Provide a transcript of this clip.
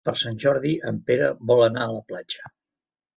Per Sant Jordi en Pere vol anar a la platja.